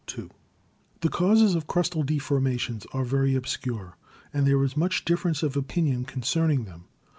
T le causes of crustal deformations are very obscure, and there is much difference of opinion concerning them.